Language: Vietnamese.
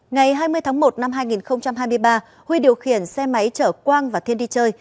ngày hai mươi tháng một năm hai nghìn hai mươi ba huy điều khiển xe máy chở quang và thiên đi chơi